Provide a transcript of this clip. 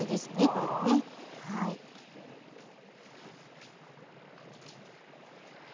これはね。はあ。